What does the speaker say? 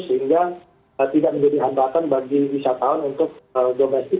sehingga tidak menjadi hambatan bagi wisatawan untuk domestik